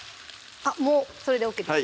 もうそれでＯＫです